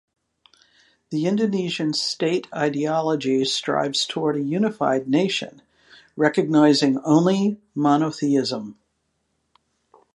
The Indonesian state ideology strives toward a unified nation, recognizing only monotheism.